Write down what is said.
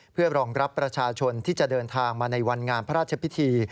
เพื่อรองรับประชาชนที่จะเดินทางมาในวันงานพระราชพิธี